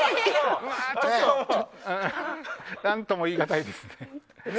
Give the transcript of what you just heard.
何とも言い難いですね。